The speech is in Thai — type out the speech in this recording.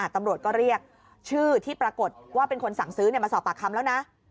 ตำรวจก็เรียกชื่อที่ปรากฏว่าเป็นคนสั่งซื้อมาสอบปากคำแล้วนะ